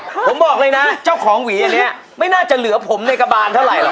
ผมบอกเลยนะเจ้าของหวีอันนี้ไม่น่าจะเหลือผมในกระบานเท่าไหรอ